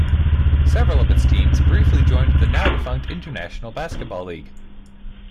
Several of its teams briefly joined the now-defunct International Basketball League.